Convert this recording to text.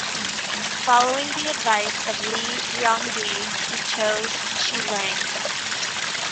Following the advice of Li Guangdi, he chose Shi Lang.